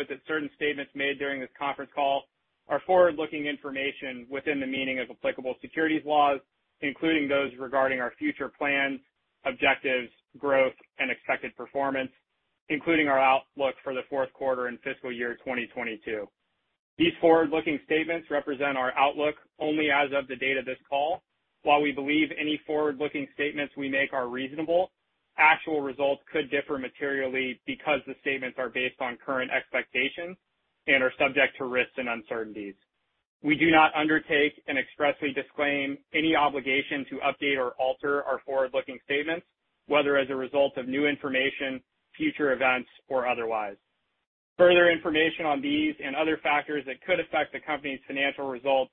Note that certain statements made during this conference call are forward-looking information within the meaning of applicable securities laws, including those regarding our future plans, objectives, growth, and expected performance, including our outlook for the fourth quarter and fiscal year 2022. These forward-looking statements represent our outlook only as of the date of this call. While we believe any forward-looking statements we make are reasonable, actual results could differ materially because the statements are based on current expectations and are subject to risks and uncertainties. We do not undertake and expressly disclaim any obligation to update or alter our forward-looking statements, whether as a result of new information, future events, or otherwise. Further information on these and other factors that could affect the company's financial results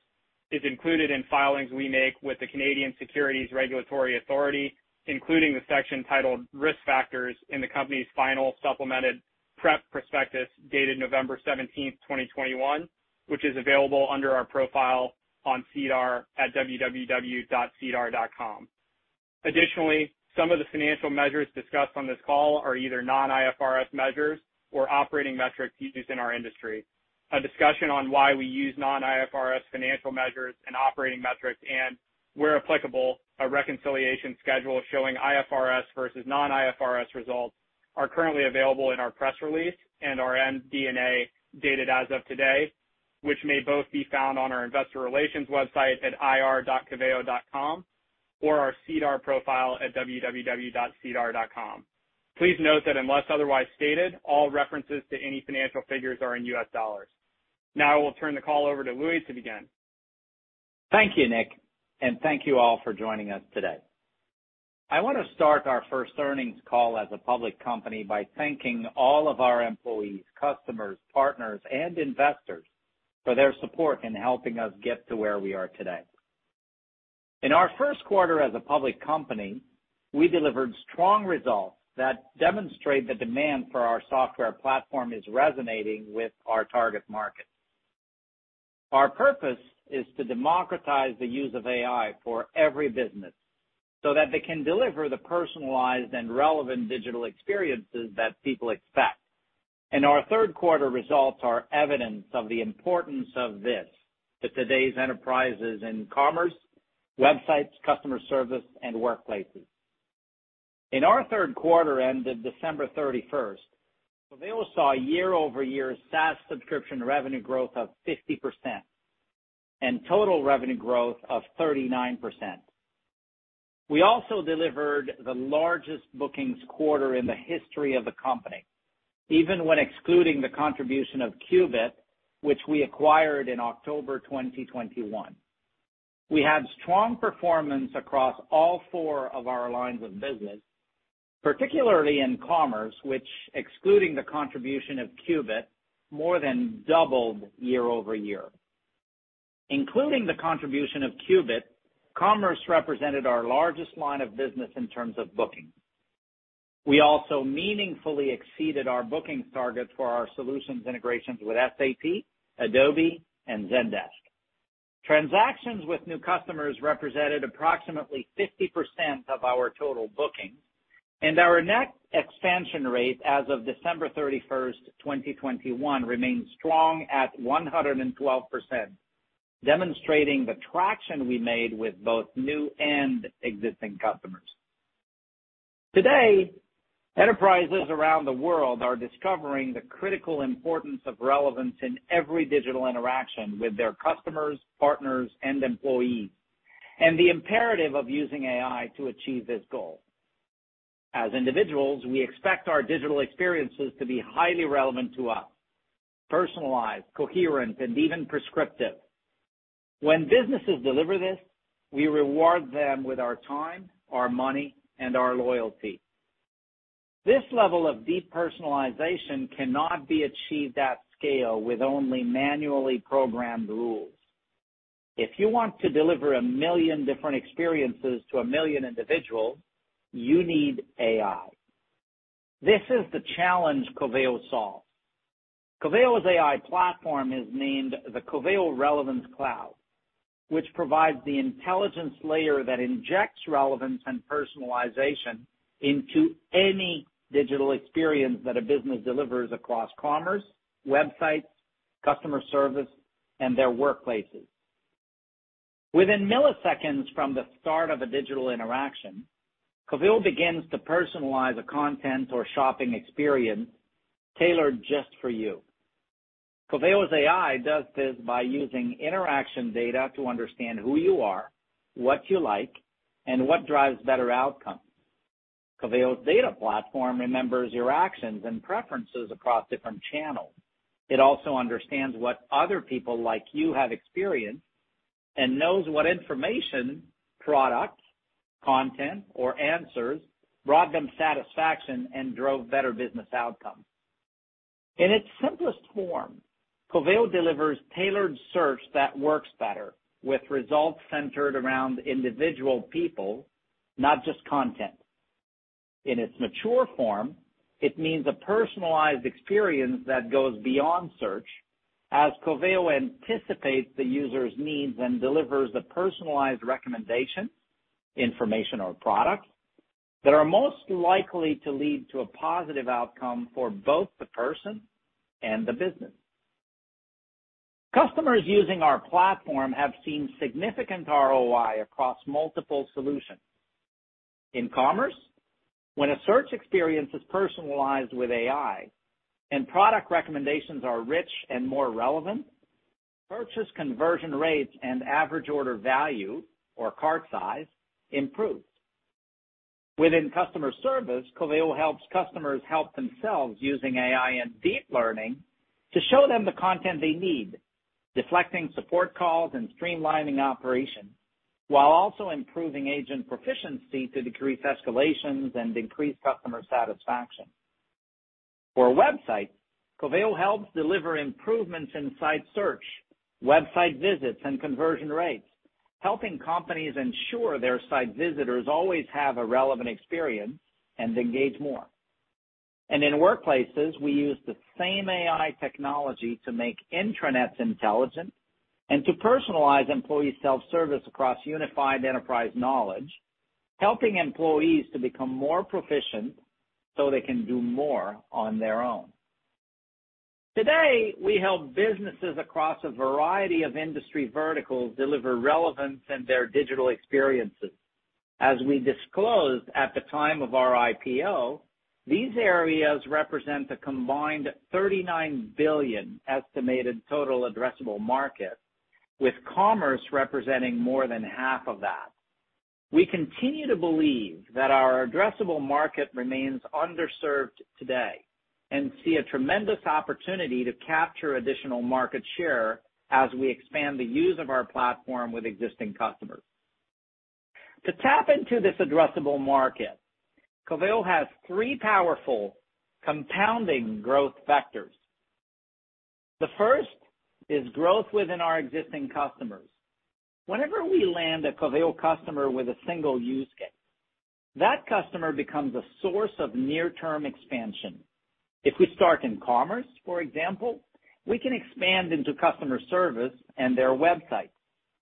is included in filings we make with the Canadian Securities Regulatory Authorities, including the section titled Risk Factors in the company's final supplemented prep prospectus, dated November 17, 2021, which is available under our profile on SEDAR at www.sedar.com. Additionally, some of the financial measures discussed on this call are either non-IFRS measures or operating metrics used in our industry. A discussion on why we use non-IFRS financial measures and operating metrics, and where applicable, a reconciliation schedule showing IFRS versus non-IFRS results are currently available in our press release and our MD&A dated as of today, which may both be found on our investor relations website at ir.coveo.com or our SEDAR profile at www.sedar.com. Please note that unless otherwise stated, all references to any financial figures are in U.S. dollars. Now I will turn the call over to Louis to begin. Thank you, Nick, and thank you all for joining us today. I want to start our first earnings call as a public company by thanking all of our employees, customers, partners, and investors for their support in helping us get to where we are today. In our first quarter as a public company, we delivered strong results that demonstrate the demand for our software platform is resonating with our target market. Our purpose is to democratize the use of AI for every business so that they can deliver the personalized and relevant digital experiences that people expect. Our third quarter results are evidence of the importance of this to today's enterprises in commerce, websites, customer service, and workplaces. In our third quarter ended December 31st, Coveo saw year-over-year SaaS subscription revenue growth of 50% and total revenue growth of 39%. We also delivered the largest bookings quarter in the history of the company, even when excluding the contribution of Qubit, which we acquired in October 2021. We had strong performance across all four of our lines of business, particularly in commerce, which excluding the contribution of Qubit, more than doubled year-over-year. Including the contribution of Qubit, commerce represented our largest line of business in terms of bookings. We also meaningfully exceeded our bookings targets for our solutions integrations with SAP, Adobe, and Zendesk. Transactions with new customers represented approximately 50% of our total bookings, and our net expansion rate as of December 31st, 2021 remains strong at 112%, demonstrating the traction we made with both new and existing customers. Today, enterprises around the world are discovering the critical importance of relevance in every digital interaction with their customers, partners, and employees, and the imperative of using AI to achieve this goal. As individuals, we expect our digital experiences to be highly relevant to us, personalized, coherent, and even prescriptive. When businesses deliver this, we reward them with our time, our money, and our loyalty. This level of deep personalization cannot be achieved at scale with only manually-programmed rules. If you want to deliver a million different experiences to a million individuals, you need AI. This is the challenge Coveo solves. Coveo's AI platform is named the Coveo Relevance Cloud, which provides the intelligence layer that injects relevance and personalization into any digital experience that a business delivers across commerce, websites, customer service, and their workplaces. Within milliseconds from the start of a digital interaction, Coveo begins to personalize a content or shopping experience tailored just for you. Coveo's AI does this by using interaction data to understand who you are, what you like, and what drives better outcomes. Coveo's data platform remembers your actions and preferences across different channels. It also understands what other people like you have experienced and knows what information, products, content, or answers brought them satisfaction and drove better business outcomes. In its simplest form, Coveo delivers tailored search that works better with results centered around individual people, not just content. In its mature form, it means a personalized experience that goes beyond search as Coveo anticipates the user's needs and delivers the personalized recommendation, information or product that are most likely to lead to a positive outcome for both the person and the business. Customers using our platform have seen significant ROI across multiple solutions. In commerce, when a search experience is personalized with AI and product recommendations are rich and more relevant, purchase conversion rates and average order value or cart size improves. Within customer service, Coveo helps customers help themselves using AI and deep learning to show them the content they need, deflecting support calls and streamlining operations, while also improving agent proficiency to decrease escalations and increase customer satisfaction. For a website, Coveo helps deliver improvements in site search, website visits, and conversion rates, helping companies ensure their site visitors always have a relevant experience and engage more. In workplaces, we use the same AI technology to make intranets intelligent and to personalize employee self-service across unified enterprise knowledge, helping employees to become more proficient so they can do more on their own. Today, we help businesses across a variety of industry verticals deliver relevance in their digital experiences. As we disclosed at the time of our IPO, these areas represent a combined $39 billion estimated total addressable market, with commerce representing more than half of that. We continue to believe that our addressable market remains underserved today and see a tremendous opportunity to capture additional market share as we expand the use of our platform with existing customers. To tap into this addressable market, Coveo has three powerful compounding growth vectors. The first is growth within our existing customers. Whenever we land a Coveo customer with a single use case, that customer becomes a source of near-term expansion. If we start in commerce, for example, we can expand into customer service and their websites,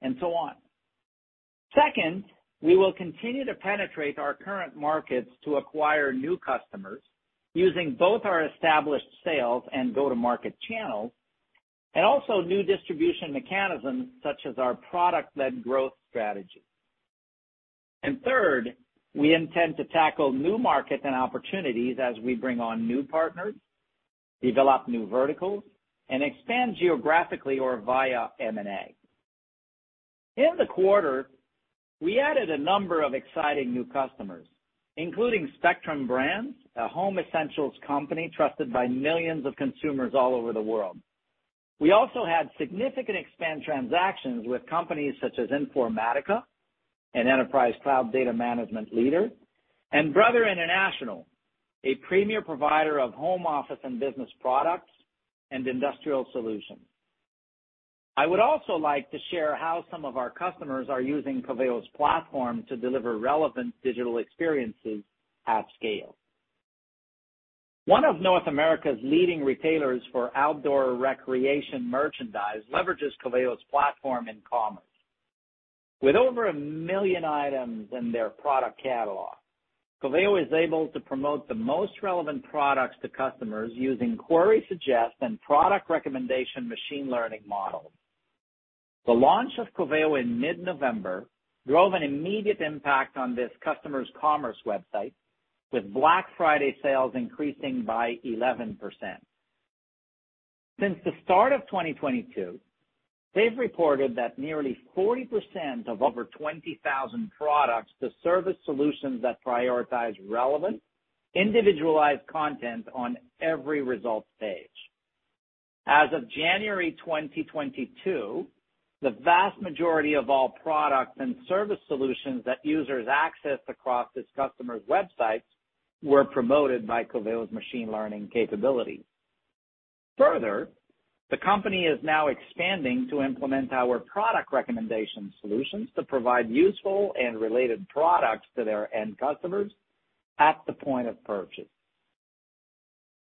and so on. Second, we will continue to penetrate our current markets to acquire new customers using both our established sales and go-to-market channels, and also new distribution mechanisms such as our product-led growth strategy. Third, we intend to tackle new markets and opportunities as we bring on new partners, develop new verticals, and expand geographically or via M&A. In the quarter, we added a number of exciting new customers, including Spectrum Brands, a home essentials company trusted by millions of consumers all over the world. We also had significant expand transactions with companies such as Informatica, an enterprise cloud data management leader, and Brother International, a premier provider of home office and business products and industrial solutions. I would also like to share how some of our customers are using Coveo's platform to deliver relevant digital experiences at scale. One of North America's leading retailers for outdoor recreation merchandise leverages Coveo's platform in commerce. With over 1 million items in their product catalog, Coveo is able to promote the most relevant products to customers using query suggest and product recommendation machine learning models. The launch of Coveo in mid-November drove an immediate impact on this customer's commerce website, with Black Friday sales increasing by 11%. Since the start of 2022, they've reported that nearly 40% of over 20,000 products or service solutions that prioritize relevant, individualized content on every results page. As of January 2022, the vast majority of all products and service solutions that users accessed across this customer's websites were promoted by Coveo's machine learning capabilities. Further, the company is now expanding to implement our product recommendation solutions to provide useful and related products to their end customers at the point of purchase.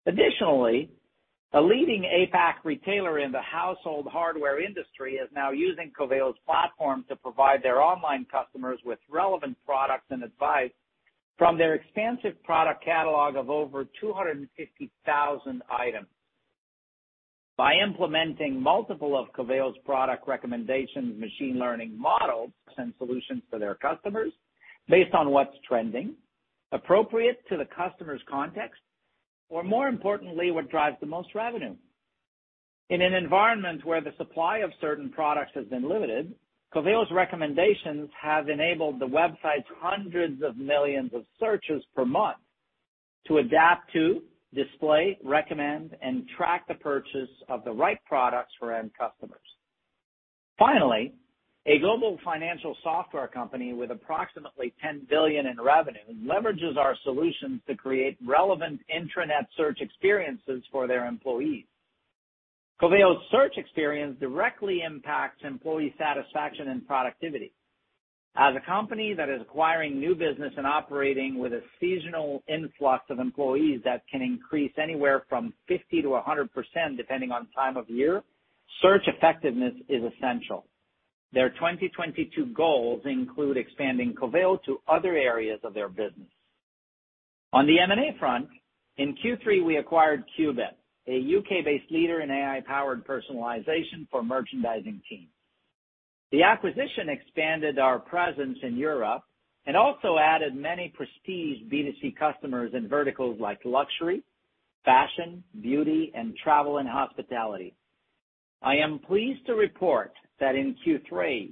Additionally, a leading APAC retailer in the household hardware industry is now using Coveo's platform to provide their online customers with relevant products and advice from their expansive product catalog of over 250,000 items by implementing multiple of Coveo's product recommendations machine learning models and solutions for their customers based on what's trending, appropriate to the customer's context, or more importantly, what drives the most revenue. In an environment where the supply of certain products has been limited, Coveo's recommendations have enabled the website's hundreds of millions of searches per month to adapt to, display, recommend, and track the purchase of the right products for end customers. Finally, a global financial software company with approximately $10 billion in revenue leverages our solutions to create relevant intranet search experiences for their employees. Coveo's search experience directly impacts employee satisfaction and productivity. As a company that is acquiring new business and operating with a seasonal influx of employees that can increase anywhere from 50%-100% depending on time of year, search effectiveness is essential. Their 2022 goals include expanding Coveo to other areas of their business. On the M&A front, in Q3, we acquired Qubit, a U.K.-based leader in AI-powered personalization for merchandising teams. The acquisition expanded our presence in Europe and also added many prestige B2C customers in verticals like luxury, fashion, beauty, and travel and hospitality. I am pleased to report that in Q3,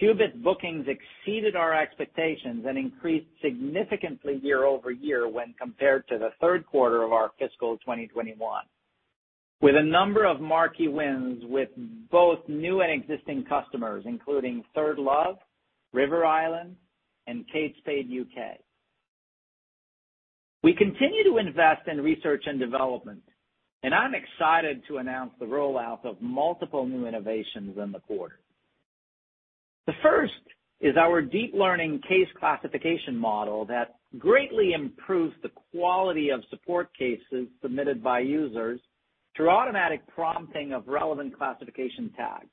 Qubit bookings exceeded our expectations and increased significantly year-over-year when compared to the third quarter of our fiscal 2021, with a number of marquee wins with both new and existing customers, including ThirdLove, River Island, and Kate Spade UK. We continue to invest in research and development, and I'm excited to announce the rollout of multiple new innovations in the quarter. The first is our deep learning case classification model that greatly improves the quality of support cases submitted by users through automatic prompting of relevant classification tags.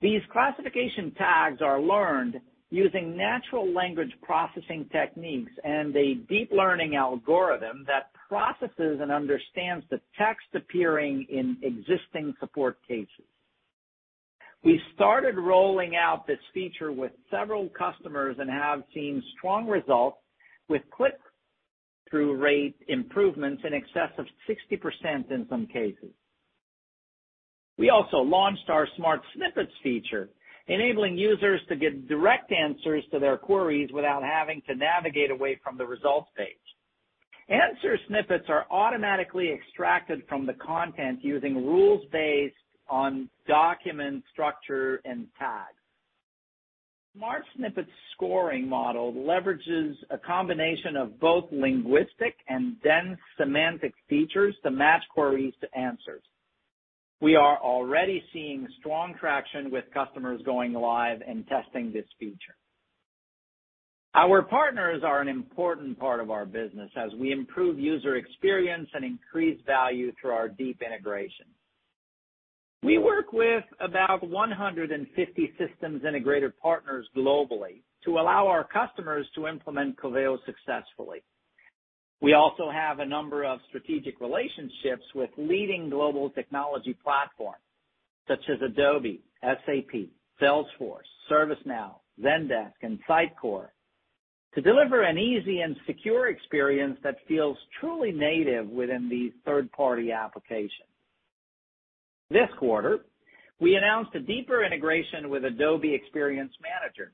These classification tags are learned using natural language processing techniques and a deep learning algorithm that processes and understands the text appearing in existing support cases. We started rolling out this feature with several customers and have seen strong results with click-through rate improvements in excess of 60% in some cases. We also launched our Smart Snippets feature, enabling users to get direct answers to their queries without having to navigate away from the results page. Answer snippets are automatically extracted from the content using rules based on document structure and tags. Smart Snippets scoring model leverages a combination of both linguistic and dense semantic features to match queries to answers. We are already seeing strong traction with customers going live and testing this feature. Our partners are an important part of our business as we improve user experience and increase value through our deep integration. We work with about 150 system integrators globally to allow our customers to implement Coveo successfully. We also have a number of strategic relationships with leading global technology platforms, such as Adobe, SAP, Salesforce, ServiceNow, Zendesk, and Sitecore, to deliver an easy and secure experience that feels truly native within these third-party applications. This quarter, we announced a deeper integration with Adobe Experience Manager,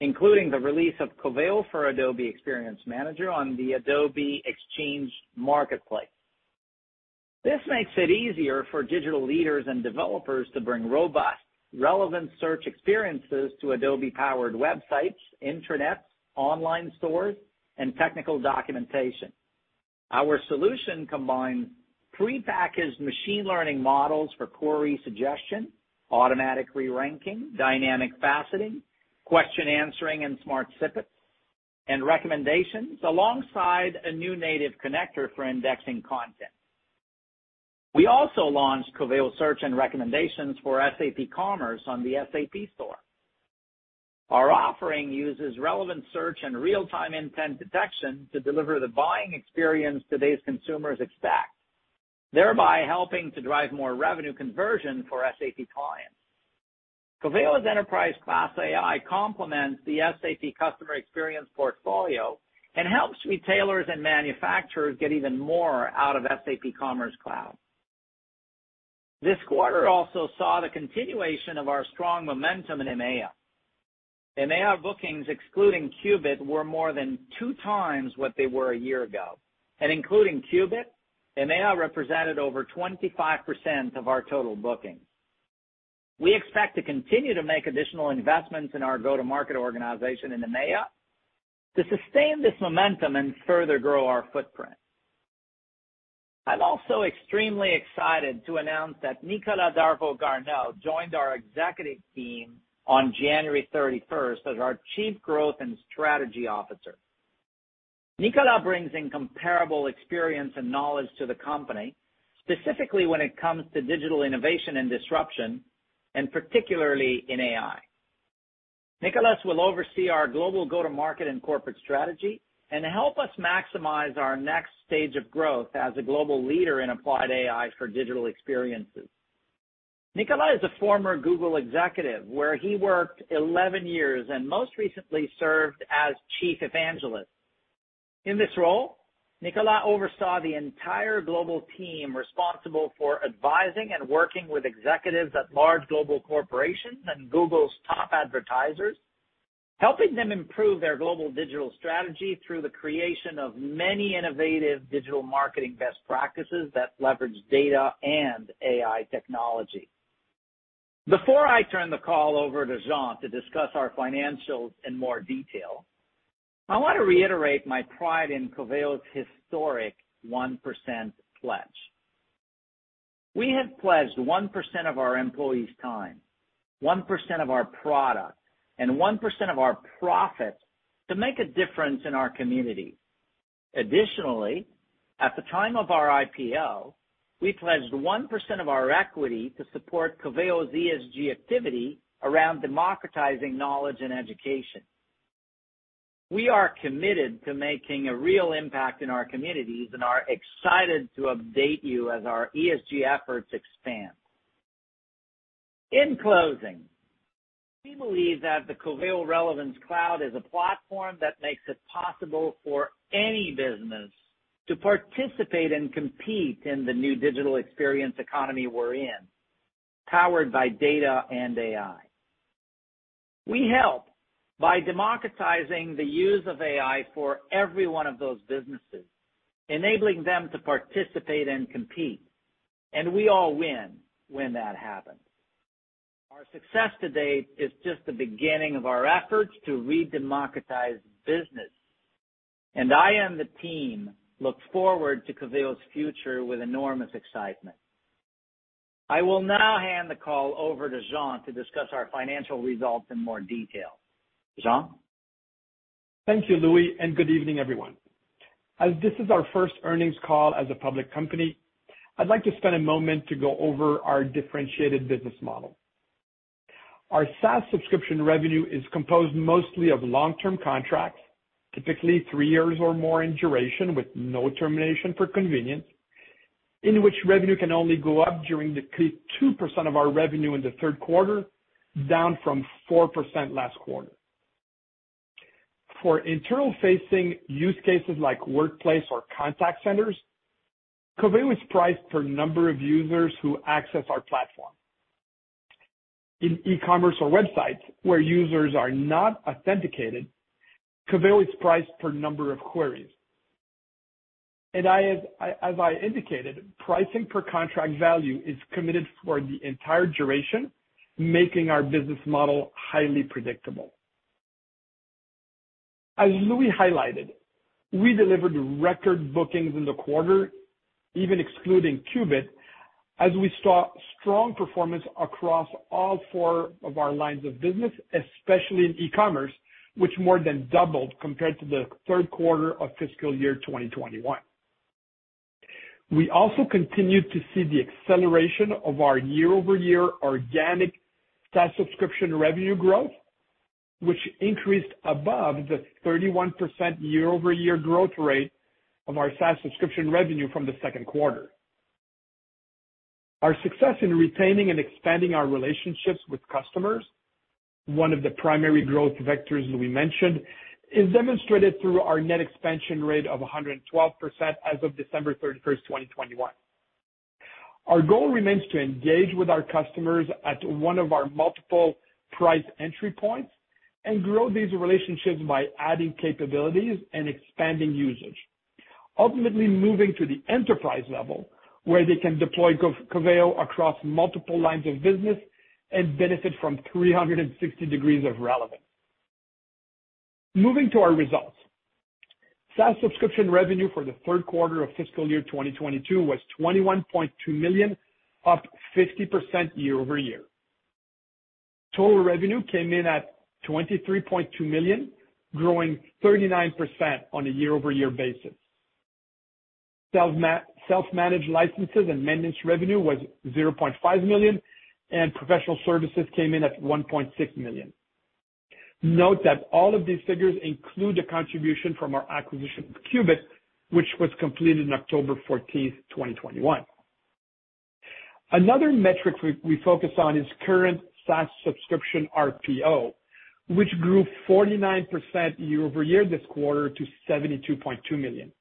including the release of Coveo for Adobe Experience Manager on the Adobe Exchange marketplace. This makes it easier for digital leaders and developers to bring robust, relevant search experiences to Adobe-powered websites, intranets, online stores, and technical documentation. Our solution combines prepackaged machine learning models for query suggestion, automatic re-ranking, dynamic faceting, question answering and Smart Snippets, and recommendations alongside a new native connector for indexing content. We also launched Coveo Search and Recommendations for SAP Commerce on the SAP Store. Our offering uses relevant search and real-time intent detection to deliver the buying experience today's consumers expect, thereby helping to drive more revenue conversion for SAP clients. Coveo's enterprise class AI complements the SAP customer experience portfolio and helps retailers and manufacturers get even more out of SAP Commerce Cloud. This quarter also saw the continuation of our strong momentum in EMEA. EMEA bookings, excluding Qubit, were more than 2x what they were a year ago. Including Qubit, EMEA represented over 25% of our total bookings. We expect to continue to make additional investments in our go-to-market organization in EMEA to sustain this momentum and further grow our footprint. I'm also extremely excited to announce that Nicolas Darveau-Garneau joined our executive team on January 31st as our Chief Growth and Strategy Officer. Nicolas brings incomparable experience and knowledge to the company, specifically when it comes to digital innovation and disruption, and particularly in AI. Nicolas will oversee our global go-to-market and corporate strategy and help us maximize our next stage of growth as a global leader in applied AI for digital experiences. Nicolas is a former Google executive, where he worked 11 years and most recently served as Chief Evangelist. In this role, Nicolas oversaw the entire global team responsible for advising and working with executives at large global corporations and Google's top advertisers, helping them improve their global digital strategy through the creation of many innovative digital marketing best practices that leverage data and AI technology. Before I turn the call over to Jean to discuss our financials in more detail, I want to reiterate my pride in Coveo's historic 1% pledge. We have pledged 1% of our employees' time, 1% of our product, and 1% of our profits to make a difference in our community. Additionally, at the time of our IPO, we pledged 1% of our equity to support Coveo's ESG activity around democratizing knowledge and education. We are committed to making a real impact in our communities and are excited to update you as our ESG efforts expand. In closing, we believe that the Coveo Relevance Cloud is a platform that makes it possible for any business to participate and compete in the new digital experience economy we're in, powered by data and AI. We help by democratizing the use of AI for every one of those businesses, enabling them to participate and compete, and we all win when that happens. Our success to date is just the beginning of our efforts to re-democratize business, and I and the team look forward to Coveo's future with enormous excitement. I will now hand the call over to Jean to discuss our financial results in more detail. Jean? Thank you, Louis, and good evening, everyone. As this is our first earnings call as a public company, I'd like to spend a moment to go over our differentiated business model. Our SaaS subscription revenue is composed mostly of long-term contracts, typically three years or more in duration, with no termination for convenience, in which revenue can only go up during the 2% of our revenue in the third quarter, down from 4% last quarter. For internal-facing use cases like workplace or contact centers, Coveo is priced per number of users who access our platform. In e-commerce or websites where users are not authenticated, Coveo is priced per number of queries. As I indicated, pricing per contract value is committed for the entire duration, making our business model highly predictable. As Louis highlighted, we delivered record bookings in the quarter, even excluding Qubit, as we saw strong performance across all four of our lines of business, especially in e-commerce, which more than doubled compared to the third quarter of fiscal year 2021. We also continued to see the acceleration of our year-over-year organic SaaS subscription revenue growth, which increased above the 31% year-over-year growth rate of our SaaS subscription revenue from the second quarter. Our success in retaining and expanding our relationships with customers, one of the primary growth vectors Louis mentioned, is demonstrated through our net expansion rate of 112% as of December 31st, 2021. Our goal remains to engage with our customers at one of our multiple price entry points and grow these relationships by adding capabilities and expanding usage, ultimately moving to the enterprise level, where they can deploy Coveo across multiple lines of business and benefit from 360 degrees of relevance. Moving to our results. SaaS subscription revenue for the third quarter of fiscal year 2022 was $21.2 million, up 50% year-over-year. Total revenue came in at $23.2 million, growing 39% on a year-over-year basis. Self-managed licenses and maintenance revenue was $0.5 million, and professional services came in at $1.6 million. Note that all of these figures include the contribution from our acquisition of Qubit, which was completed on October 14th, 2021. Another metric we focus on is current SaaS subscription RPO, which grew 49% year-over-year this quarter to $72.2 million.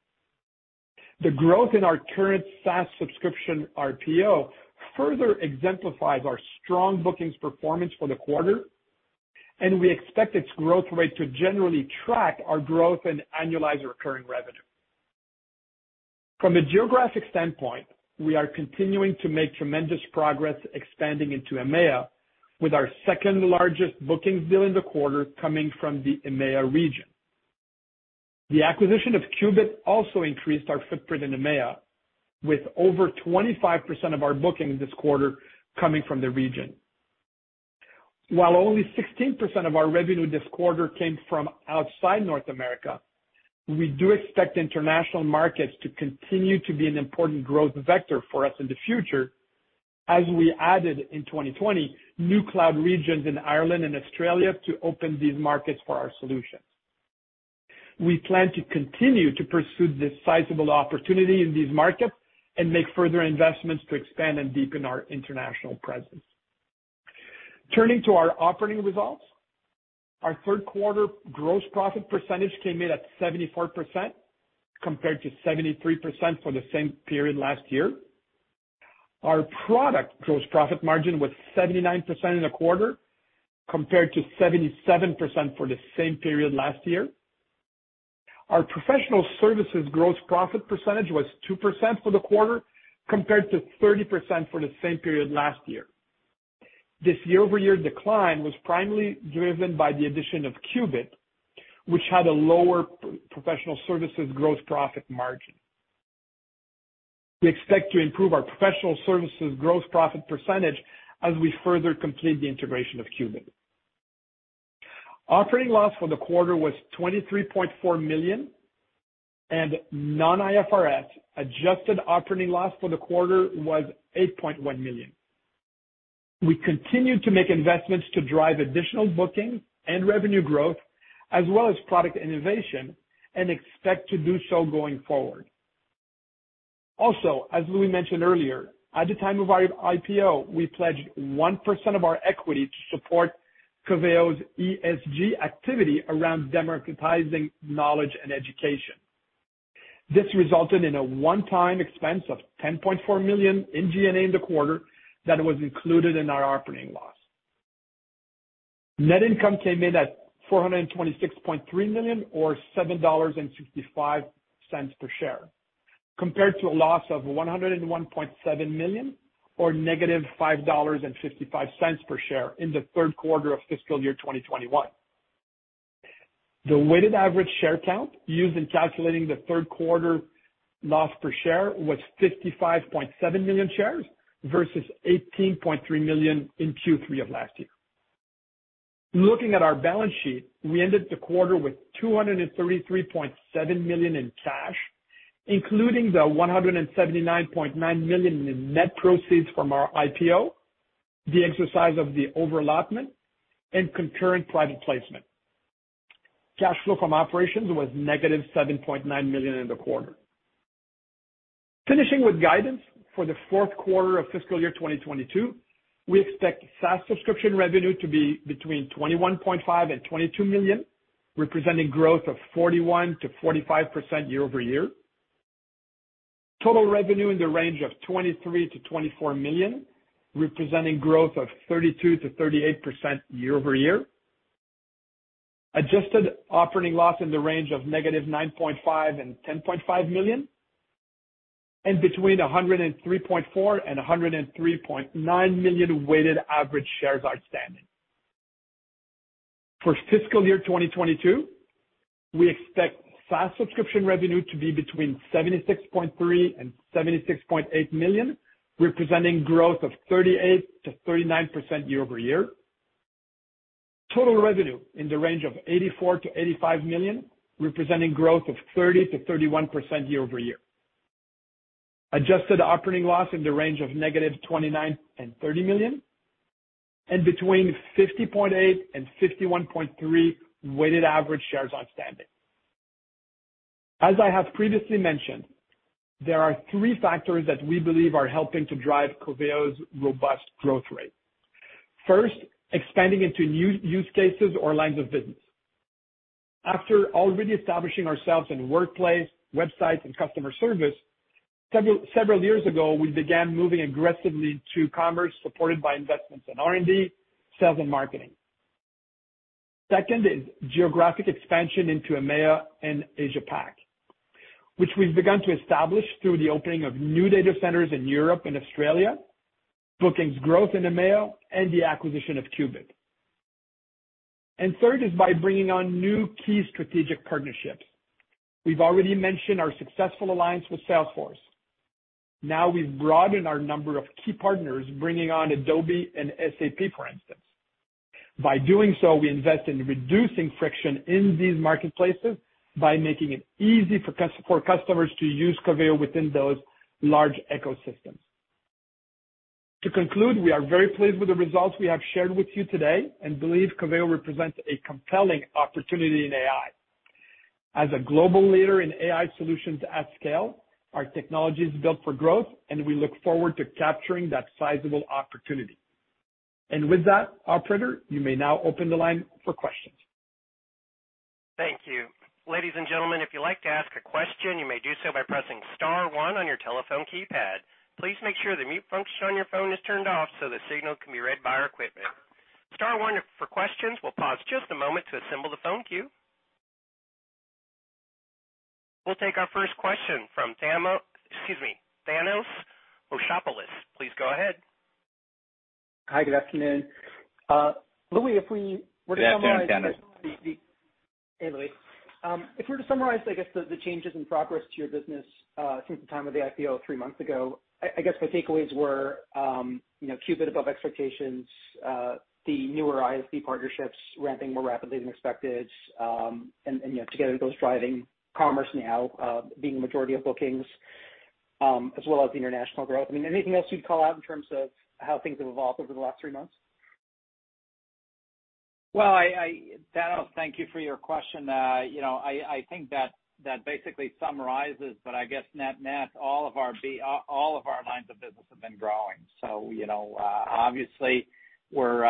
The growth in our current SaaS subscription RPO further exemplifies our strong bookings performance for the quarter, and we expect its growth rate to generally track our growth in annualized recurring revenue. From a geographic standpoint, we are continuing to make tremendous progress expanding into EMEA, with our second-largest bookings deal in the quarter coming from the EMEA region. The acquisition of Qubit also increased our footprint in EMEA, with over 25% of our bookings this quarter coming from the region. While only 16% of our revenue this quarter came from outside North America, we do expect international markets to continue to be an important growth vector for us in the future, as we added in 2020 new cloud regions in Ireland and Australia to open these markets for our solutions. We plan to continue to pursue this sizable opportunity in these markets and make further investments to expand and deepen our international presence. Turning to our operating results, our third quarter gross profit percentage came in at 74%, compared to 73% for the same period last year. Our product gross profit margin was 79% in the quarter, compared to 77% for the same period last year. Our professional services gross profit percentage was 2% for the quarter, compared to 30% for the same period last year. This year-over-year decline was primarily driven by the addition of Qubit, which had a lower professional services gross profit margin. We expect to improve our professional services gross profit percentage as we further complete the integration of Qubit. Operating loss for the quarter was $23.4 million, and non-IFRS adjusted operating loss for the quarter was $8.1 million. We continue to make investments to drive additional booking and revenue growth, as well as product innovation, and expect to do so going forward. Also, as Louis mentioned earlier, at the time of our IPO, we pledged 1% of our equity to support Coveo's ESG activity around democratizing knowledge and education. This resulted in a one-time expense of $10.4 million in G&A in the quarter that was included in our operating loss. Net income came in at $426.3 million or $7.55 per share, compared to a loss of $101.7 million or $-5.55 per share in the third quarter of fiscal year 2021. The weighted average share count used in calculating the third quarter loss per share was 55.7 million shares versus 18.3 million in Q3 of last year. Looking at our balance sheet, we ended the quarter with $233.7 million in cash, including the $179.9 million in net proceeds from our IPO, the exercise of the over-allotment, and concurrent private placement. Cash flow from operations was $7.9 million in the quarter. Finishing with guidance for the fourth quarter of fiscal year 2022, we expect SaaS subscription revenue to be between $21.5 million and $22 million, representing growth of 41%-45% year-over-year. Total revenue in the range of $23 million-$24 million, representing growth of 32%-38% year-over-year. Adjusted operating loss in the range of $-9.5 million and $10.5 million. Between 103.4 million and 103.9 million weighted average shares outstanding. For fiscal year 2022, we expect SaaS subscription revenue to be between $76.3 million and $76.8 million, representing growth of 38%-39% year-over-year. Total revenue in the range of $84 million-$85 million, representing growth of 30%-31% year-over-year. Adjusted operating loss in the range of $-29 million and $30 million. Between 50.8 and 51.3 weighted average shares outstanding. As I have previously mentioned, there are three factors that we believe are helping to drive Coveo's robust growth rate. First, expanding into new use cases or lines of business. After already establishing ourselves in workplace, websites, and customer service, several years ago, we began moving aggressively to commerce, supported by investments in R&D, sales and marketing. Second is geographic expansion into EMEA and AsiaPac, which we've begun to establish through the opening of new data centers in Europe and Australia, bookings growth in EMEA, and the acquisition of Qubit. Third is by bringing on new key strategic partnerships. We've already mentioned our successful alliance with Salesforce. Now we've broadened our number of key partners, bringing on Adobe and SAP, for instance. By doing so, we invest in reducing friction in these marketplaces by making it easy for customers to use Coveo within those large ecosystems. To conclude, we are very pleased with the results we have shared with you today and believe Coveo represents a compelling opportunity in AI. As a global leader in AI solutions at scale, our technology is built for growth, and we look forward to capturing that sizable opportunity. With that, operator, you may now open the line for questions. Thank you. Ladies and gentlemen, if you'd like to ask a question, you may do so by pressing star one on your telephone keypad. Please make sure the mute function on your phone is turned off so the signal can be read by our equipment. Star one for questions. We'll pause just a moment to assemble the phone queue. We'll take our first question from Thanos Moschopoulos. Please go ahead. Hi. Good afternoon. Louis, if we were to summarize the-- Yeah, Thanos. Hey, Louis. If we were to summarize, I guess, the changes in progress to your business, since the time of the IPO three months ago, I guess my takeaways were, you know, Qubit above expectations, the newer ISV partnerships ramping more rapidly than expected, and, you know, together those driving commerce now being the majority of bookings, as well as the international growth. I mean, anything else you'd call out in terms of how things have evolved over the last three months? Well, Thanos, thank you for your question. You know, I think that basically summarizes, but I guess net-net, all of our lines of business have been growing. You know, obviously we're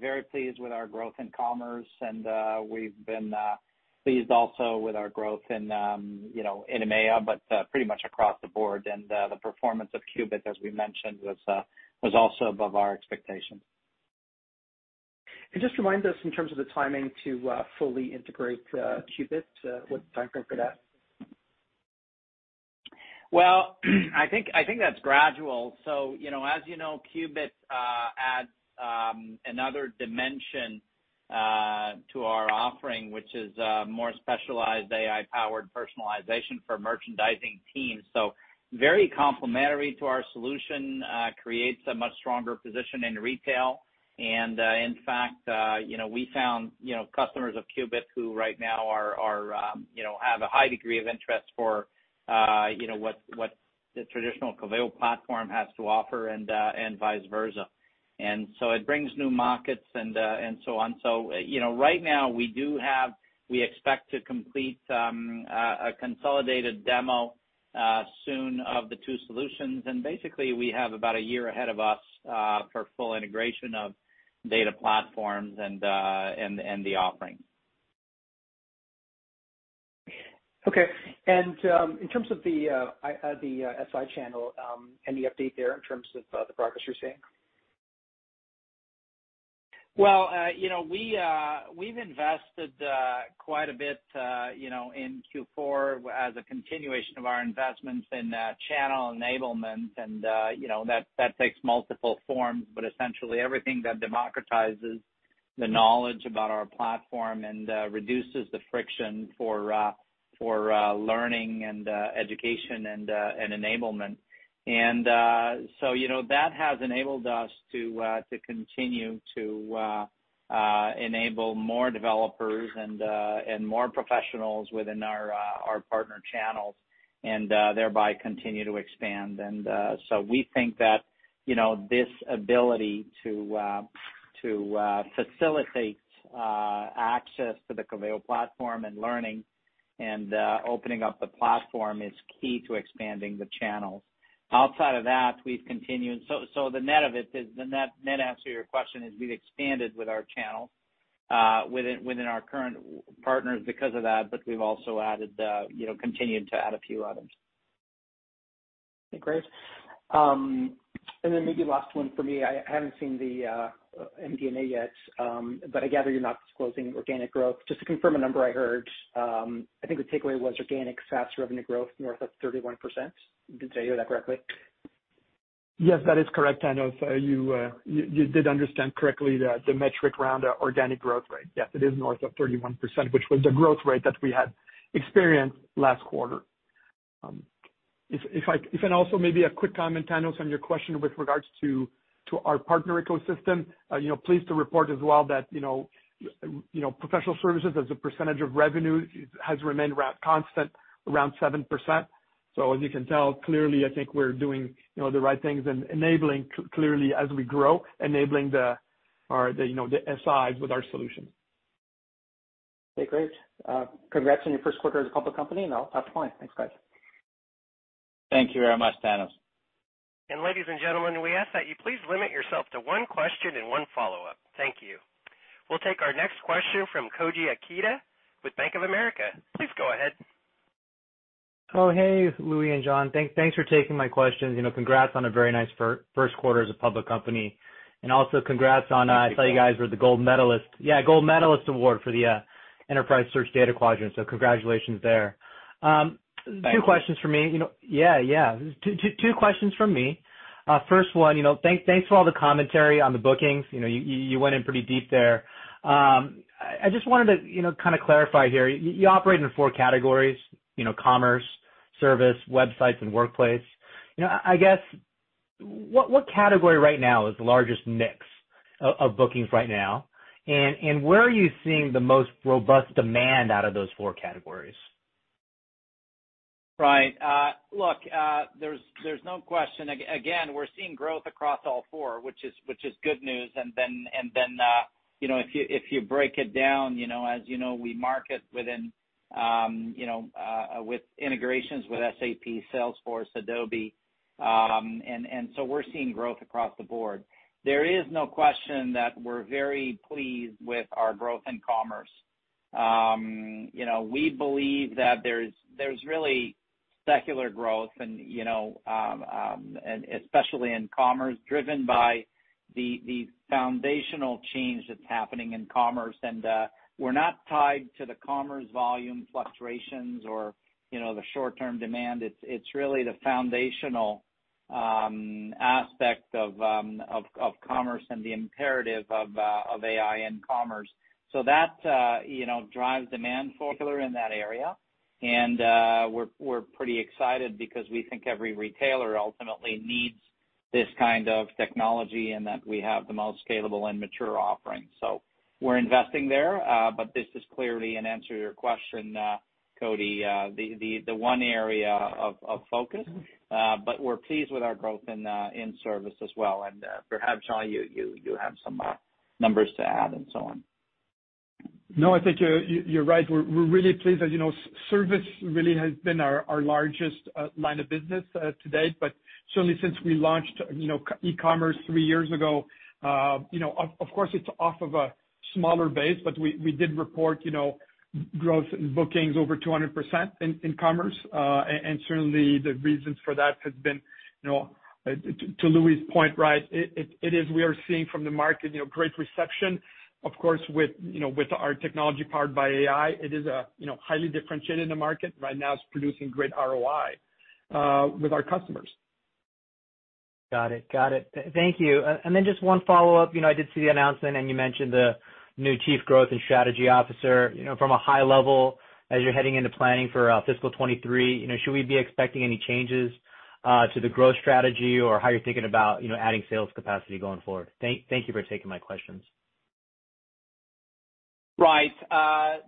very pleased with our growth in commerce and we've been pleased also with our growth in, you know, in EMEA, but pretty much across the board. The performance of Qubit, as we mentioned, was also above our expectations. Just remind us in terms of the timing to fully integrate Qubit, what the timeframe for that? Well, I think that's gradual. You know, as you know, Qubit adds another dimension to our offering which is more specialized AI-powered personalization for merchandising teams. Very complementary to our solution, creates a much stronger position in retail. In fact, you know, we found, you know, customers of Qubit who right now have a high degree of interest for, you know, what the traditional Coveo platform has to offer and vice versa. It brings new markets and so on. You know, right now we expect to complete a consolidated demo soon of the two solutions. Basically we have about a year ahead of us for full integration of data platforms and the offering. Okay. In terms of the SI channel, any update there in terms of the progress you're seeing? Well, you know, we've invested quite a bit, you know, in Q4 as a continuation of our investments in channel enablement and, you know, that takes multiple forms, but essentially everything that democratizes the knowledge about our platform and reduces the friction for learning and education and enablement. So you know, that has enabled us to continue to enable more developers and more professionals within our partner channels and thereby continue to expand. So we think that, you know, this ability to facilitate access to the Coveo platform and learning and opening up the platform is key to expanding the channels. Outside of that, we've continued... The net of it is, the net-net answer to your question is we've expanded with our channels within our current partners because of that, but we've also added, you know, continued to add a few others. Okay, great. Maybe last one for me. I haven't seen the MD&A yet, but I gather you're not disclosing organic growth. Just to confirm a number I heard, I think the takeaway was organic SaaS revenue growth north of 31%. Did I hear that correctly? Yes, that is correct, Thanos. You did understand correctly the metric around our organic growth rate. Yes, it is north of 31%, which was the growth rate that we had experienced last quarter. If I can also maybe a quick comment, Thanos, on your question with regards to our partner ecosystem. You know, pleased to report as well that, you know, professional services as a percentage of revenue has remained around constant, around 7%. As you can tell, clearly, I think we're doing, you know, the right things and enabling clearly as we grow, enabling the SIs with our solution. Okay, great. Congrats on your first quarter as a public company, and I'll pass the line. Thanks, guys. Thank you very much, Thanos. Ladies and gentlemen, we ask that you please limit yourself to one question and one follow-up. Thank you. We'll take our next question from Koji Ikeda with Bank of America. Please go ahead. Oh, hey, Louis and Jean. Thanks for taking my questions. You know, congrats on a very nice first quarter as a public company. Also congrats on, I saw you guys were the gold medalist. Yeah, gold medalist award for the Enterprise Search Data Quadrant. Congratulations there. Thank you. Two questions from me. You know. Yeah, yeah. First one, you know, thanks for all the commentary on the bookings. You know, you went in pretty deep there. I just wanted to, you know, kind of clarify here. You operate in four categories, you know, commerce, service, websites, and workplace. You know, I guess what category right now is the largest mix of bookings right now? And where are you seeing the most robust demand out of those four categories? Right. Look, there's no question. Again, we're seeing growth across all four, which is good news. You know, if you break it down, you know, as you know, we market within, you know, with integrations with SAP, Salesforce, Adobe. We're seeing growth across the board. There is no question that we're very pleased with our growth in commerce. You know, we believe that there's really secular growth, you know, and especially in commerce, driven by the foundational change that's happening in commerce. We're not tied to the commerce volume fluctuations or, you know, the short-term demand. It's really the foundational aspect of commerce and the imperative of AI in commerce. That, you know, drives demand forward in that area. We're pretty excited because we think every retailer ultimately needs this kind of technology and that we have the most scalable and mature offering. We're investing there, but this is clearly, in answer to your question, Koji, the one area of focus. We're pleased with our growth in service as well. Perhaps, Jean, you have some numbers to add and so on. No, I think you're right. We're really pleased. As you know, service really has been our largest line of business to date. Certainly since we launched, you know, e-commerce three years ago, you know, of course, it's off of a smaller base, but we did report, you know, growth in bookings over 200% in commerce. And certainly the reasons for that has been, you know, to Louis' point, right, it is we are seeing from the market, you know, great reception, of course, with, you know, with our technology powered by AI. It is, you know, highly differentiated in the market. Right now it's producing great ROI with our customers. Got it. Thank you. Just one follow-up. You know, I did see the announcement, and you mentioned the new chief growth and strategy officer. You know, from a high level, as you're heading into planning for fiscal 2023, you know, should we be expecting any changes to the growth strategy or how you're thinking about, you know, adding sales capacity going forward? Thank you for taking my questions. Right.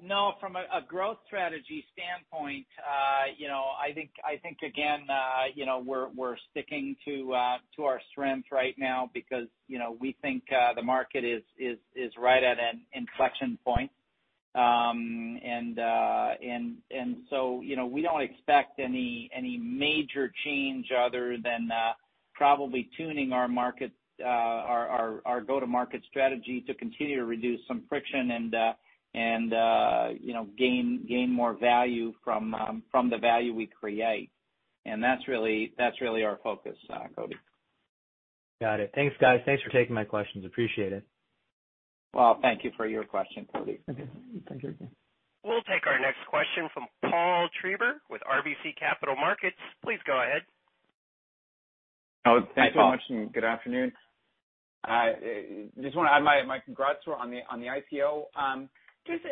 No, from a growth strategy standpoint, you know, I think again, you know, we're sticking to our strengths right now because, you know, we think the market is right at an inflection point. You know, we don't expect any major change other than probably tuning our go-to-market strategy to continue to reduce some friction and you know, gain more value from the value we create. That's really our focus, Koji. Got it. Thanks, guys. Thanks for taking my questions. Appreciate it. Well, thank you for your question, Koji. Okay. Thank you. We'll take our next question from Paul Treiber with RBC Capital Markets. Please go ahead. Oh, thanks so much. Hi, Paul. Good afternoon. Just want to add my congrats on the IPO. Just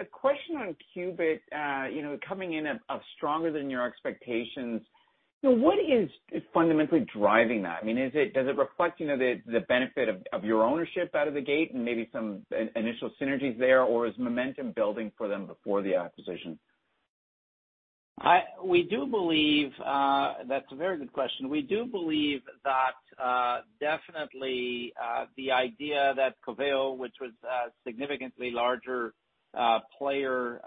a question on Qubit, you know, coming in off stronger than your expectations. What is fundamentally driving that? I mean, does it reflect, you know, the benefit of your ownership out of the gate and maybe some initial synergies there, or is momentum building for them before the acquisition? We do believe, that's a very good question. We do believe that definitely the idea that Coveo, which was a significantly larger player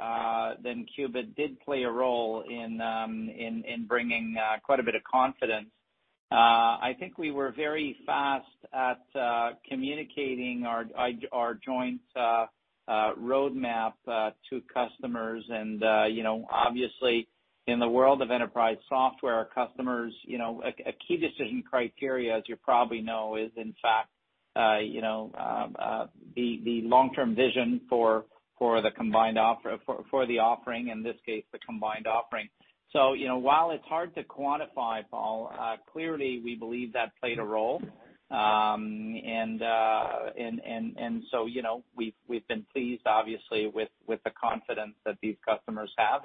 than Qubit, did play a role in bringing quite a bit of confidence. I think we were very fast at communicating our joint roadmap to customers. You know, obviously, in the world of enterprise software customers, you know, a key decision criteria, as you probably know, is in fact you know the long-term vision for the combined offering. You know, while it's hard to quantify, Paul, clearly we believe that played a role. You know, we've been pleased, obviously, with the confidence that these customers have.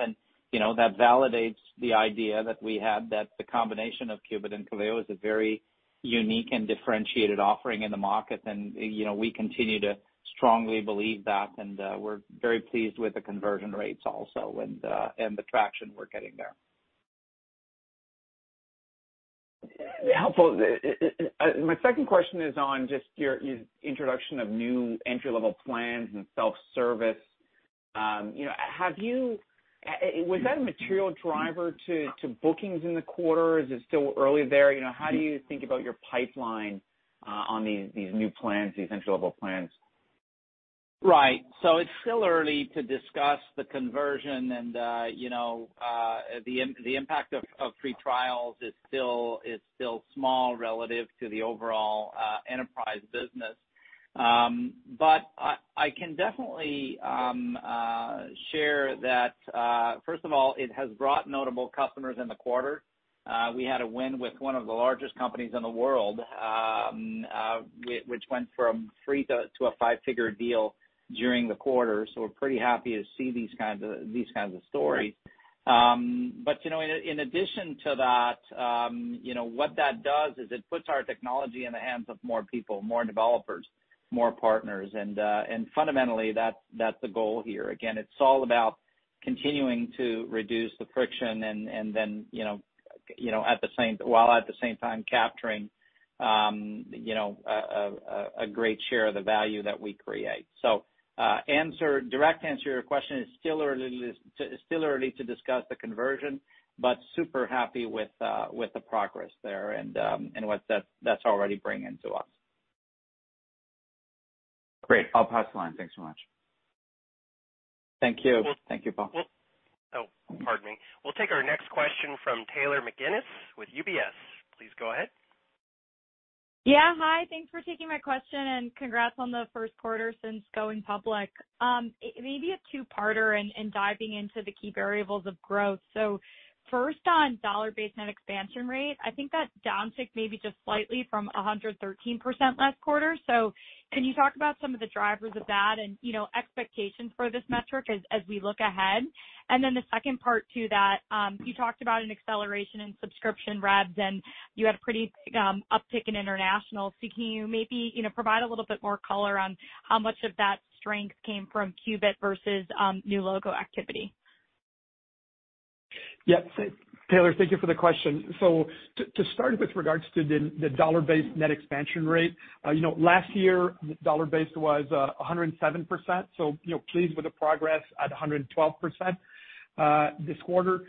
You know, that validates the idea that we had that the combination of Qubit and Coveo is a very unique and differentiated offering in the market. You know, we continue to strongly believe that, and we're very pleased with the conversion rates also and the traction we're getting there. Helpful. My second question is on just your introduction of new entry-level plans and self-service. You know, was that a material driver to bookings in the quarter? Is it still early there? You know, how do you think about your pipeline on these new plans, these entry-level plans? Right. It's still early to discuss the conversion and, you know, the impact of free trials is still small relative to the overall enterprise business. But I can definitely share that, first of all, it has brought notable customers in the quarter. We had a win with one of the largest companies in the world, which went from free to a five-figure deal during the quarter. We're pretty happy to see these kinds of stories. But, you know, in addition to that, you know, what that does is it puts our technology in the hands of more people, more developers, more partners. Fundamentally, that's the goal here. Again, it's all about continuing to reduce the friction and then, you know, while at the same time capturing a great share of the value that we create. Direct answer to your question, it's still early to discuss the conversion, but super happy with the progress there and what that's already bringing to us. Great. I'll pass the line. Thanks so much. Thank you. Thank you, Paul. Oh, pardon me. We'll take our next question from Taylor McGinnis with UBS. Please go ahead. Yeah. Hi. Thanks for taking my question, and congrats on the first quarter since going public. It may be a two-parter in diving into the key variables of growth. First on dollar-based net expansion rate, I think that downticked maybe just slightly from 113% last quarter. Can you talk about some of the drivers of that and, you know, expectations for this metric as we look ahead? Then the second part to that, you talked about an acceleration in subscription revs, and you had a pretty uptick in international. Can you maybe, you know, provide a little bit more color on how much of that strength came from Qubit versus new logo activity? Yeah. Taylor, thank you for the question. To start with regards to the dollar-based net expansion rate, you know, last year, dollar-based was 107%, so, you know, pleased with the progress at 112% this quarter.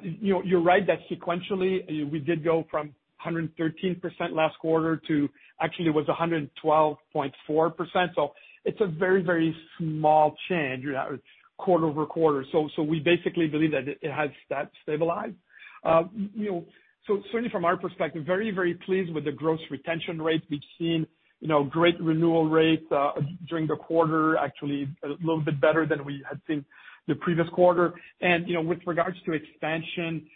You're right that sequentially we did go from 113% last quarter to actually it was 112.4%. So it's a very, very small change, you know, quarter-over-quarter. So we basically believe that it has stabilized. You know, so certainly from our perspective, very, very pleased with the gross retention rate. We've seen, you know, great renewal rates during the quarter, actually a little bit better than we had seen the previous quarter. You know, with regards to expansion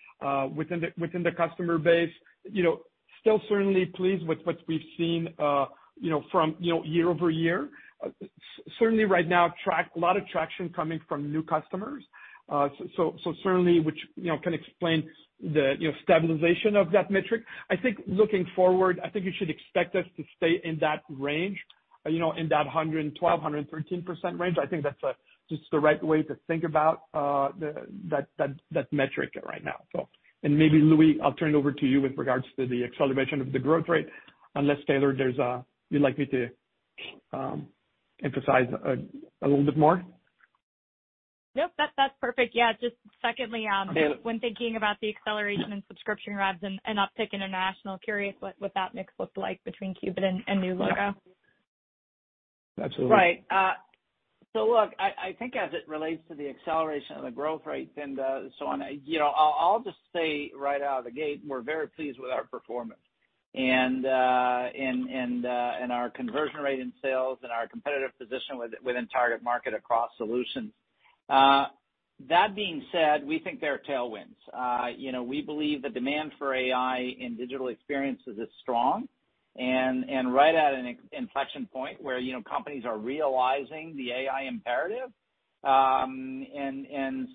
within the customer base, you know. Still certainly pleased with what we've seen, you know, from year-over-year. Certainly right now, attracting a lot of traction coming from new customers. So certainly, which, you know, can explain the stabilization of that metric. I think looking forward, I think you should expect us to stay in that range, you know, in that 112%-113% range. I think that's just the right way to think about that metric right now. Maybe, Louis, I'll turn it over to you with regards to the acceleration of the growth rate, unless Taylor, there's you'd like me to emphasize a little bit more. Nope. That, that's perfect. Yeah, just secondly, Okay. When thinking about the acceleration in subscription revs and uptick in international, curious what that mix looked like between Qubit and new logos. Absolutely. Right. Look, I think as it relates to the acceleration of the growth rate and so on, you know, I'll just say right out of the gate, we're very pleased with our performance and our conversion rate in sales and our competitive position within target market across solutions. That being said, we think there are tailwinds. You know, we believe the demand for AI and digital experiences is strong and right at an inflection point where, you know, companies are realizing the AI imperative.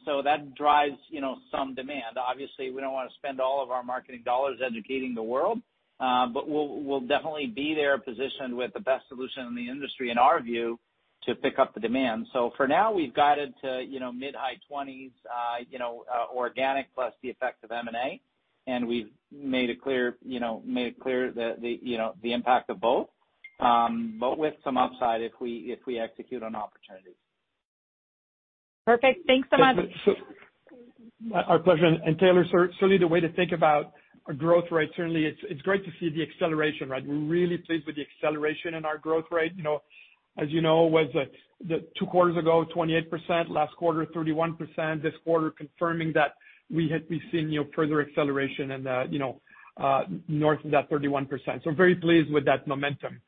So that drives, you know, some demand. Obviously, we don't wanna spend all of our marketing dollars educating the world, but we'll definitely be there positioned with the best solution in the industry, in our view, to pick up the demand. For now, we've guided to mid- to-high 20%s organic plus the effect of M&A, and we've made it clear the impact of both, but with some upside if we execute on opportunities. Perfect. Thanks so much. Yeah. Our pleasure. Taylor, certainly the way to think about our growth rate. Certainly it's great to see the acceleration, right? We're really pleased with the acceleration in our growth rate. You know, as you know, two quarters ago, 28%, last quarter, 31%, this quarter confirming that we had been seeing, you know, further acceleration and, you know, north of that 31%. Very pleased with that momentum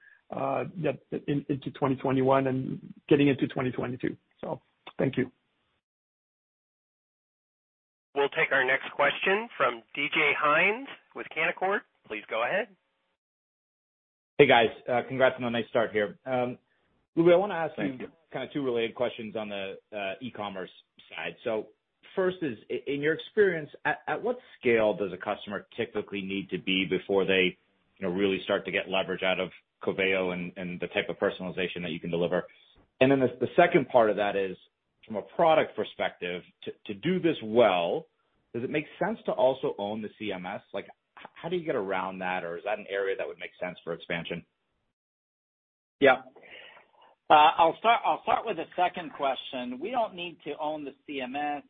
into 2021 and getting into 2022. Thank you. We'll take our next question from DJ Hynes with Canaccord. Please go ahead. Hey, guys. Congrats on a nice start here. Louis, I wanna ask you- Thank you. Kind of two related questions on the e-commerce side. First is in your experience, at what scale does a customer typically need to be before they, you know, really start to get leverage out of Coveo and the type of personalization that you can deliver? And then the second part of that is from a product perspective, to do this well, does it make sense to also own the CMS? Like, how do you get around that, or is that an area that would make sense for expansion? Yeah. I'll start with the second question. We don't need to own the CMS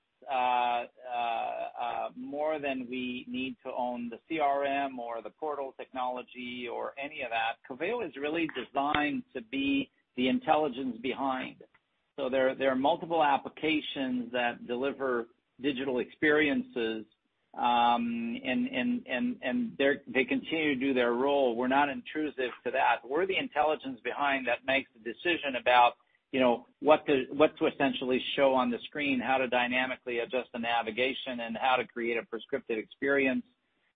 more than we need to own the CRM or the portal technology or any of that, Coveo is really designed to be the intelligence behind. So there are multiple applications that deliver digital experiences, and they continue to do their role. We're not intrusive to that. We're the intelligence behind that makes the decision about, you know, what to essentially show on the screen, how to dynamically adjust the navigation, and how to create a prescriptive experience,